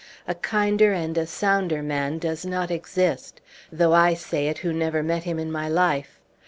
A kinder and a sounder man does not exist, though I say it who never met him in my life.